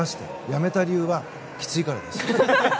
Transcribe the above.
やめた理由はきついからです。